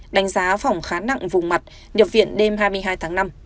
đánh giá phòng khá nặng vùng mặt nhập viện đêm hai mươi hai tháng năm